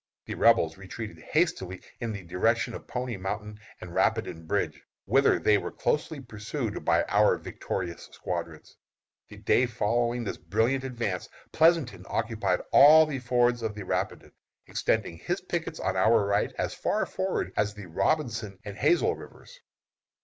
The Rebels retreated hastily in the direction of Pony Mountain and Rapidan Bridge, whither they were closely pursued by our victorious squadrons. The day following this brilliant advance Pleasonton occupied all the fords of the Rapidan, extending his pickets on our right as far forward as the Robertson and Hazel Rivers.